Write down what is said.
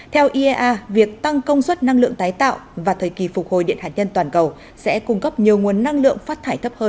theo iea việc tăng công suất năng lượng tái tạo và thời kỳ phục hồi điện hạt nhân toàn cầu sẽ cung cấp nhiều nguồn năng lượng phát thải thấp hơn trong ba năm tới